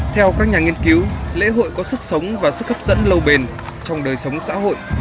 theo các nhà nghiên cứu lễ hội có sức sống và sức hấp dẫn lâu bền trong đời sống xã hội